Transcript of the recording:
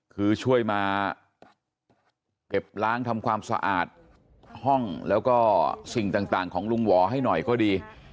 คือช่วยมาเก็บล้างทำความสะอาดห้องแล้วก็สิ่งต่างของลุงหวอให้หน่อยก็ดี